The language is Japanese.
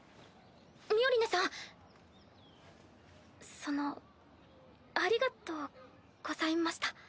ミオリネさんそのありがとうございました。